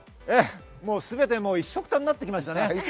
いっしょくたになってきましたね。